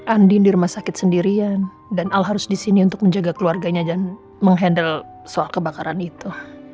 andin di rumah sakit sendirian dan al harus di sini untuk menjaga keluarganya dan menghandle soal kebakaran itu